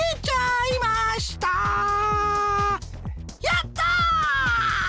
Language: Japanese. やった！